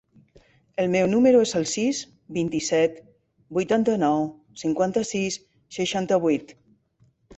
El meu número es el sis, vint-i-set, vuitanta-nou, cinquanta-sis, seixanta-vuit.